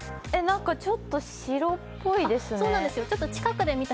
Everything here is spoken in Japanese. ちょっと白っぽいですね。